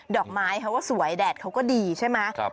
อกไม้เขาก็สวยแดดเขาก็ดีใช่ไหม